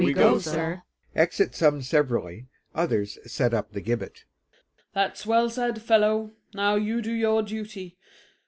We go, sir. [Exit some severally; others set up the gibbet.] SHERIFF. That's well said, fellow; now you do your duty.